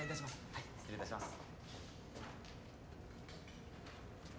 はい失礼いたします。